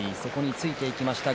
ついていきましたね。